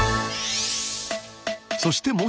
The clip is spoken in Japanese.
そして